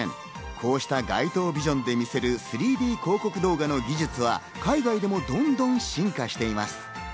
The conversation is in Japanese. こうした街頭ビジョンで見せる３Ｄ広告の技術は海外でもどんどん進化しています。